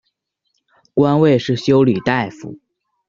官位是修理大夫。